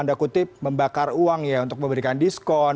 tanda kutip membakar uang ya untuk memberikan diskon